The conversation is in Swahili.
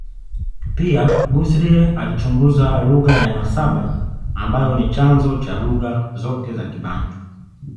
Pia, Guthrie alichunguza lugha ya nasaba ambayo ni chanzo cha lugha zote za Kibantu.